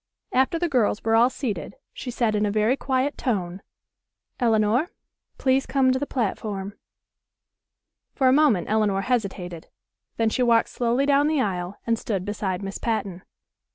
After the girls were all seated she said in a very quiet tone: "Elinor, please come to the platform." For a moment Elinor hesitated. Then she walked slowly down the aisle and stood beside Miss Patten.